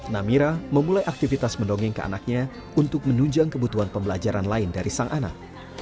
namira memulai aktivitas mendongeng ke anaknya untuk menunjang kebutuhan pembelajaran lain dari sang anak